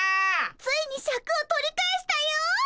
ついにシャクを取り返したよ！